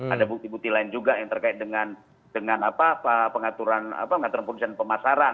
ada bukti bukti lain juga yang terkait dengan pengaturan pengaturan perusahaan pemasaran